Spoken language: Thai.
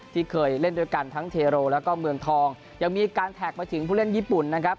ที่เคยเล่นด้วยกันทั้งเทโรแล้วก็เมืองทองยังมีการแท็กไปถึงผู้เล่นญี่ปุ่นนะครับ